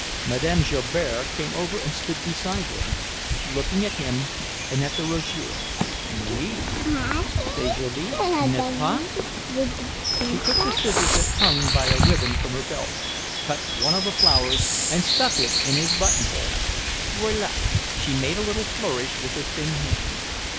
Madame Joubert came over and stood beside him, looking at him and at the rosier, "Oui, c'est joli, n'est ce pas?" She took the scissors that hung by a ribbon from her belt, cut one of the flowers and stuck it in his buttonhole. "Voilà." She made a little flourish with her thin hand.